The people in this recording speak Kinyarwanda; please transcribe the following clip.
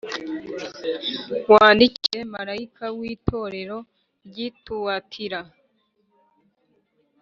“Wandikire marayika w’Itorero ry’i Tuwatira